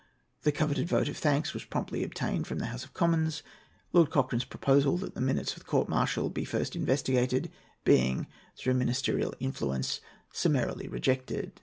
The coveted vote of thanks was promptly obtained from the House of Commons; Lord Cochrane's proposal that the minutes of the court martial be first investigated being, through ministerial influence, summarily rejected.